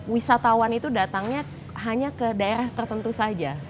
wisatawan itu datangnya hanya ke daerah tertentu saja